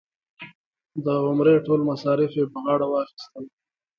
د عمرې ټول مصارف یې په غاړه واخیستل.